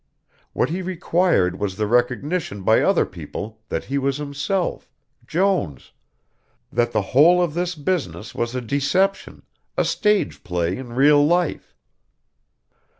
What he required was the recognition by other people that he was himself, Jones, that the whole of this business was a deception, a stage play in real life.